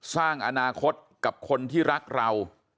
สร้างอนาคตกับคนที่รักเรา